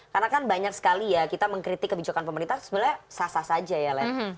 karena kan banyak sekali ya kita mengkritik kebijakan pemerintah sebenarnya sasa saja ya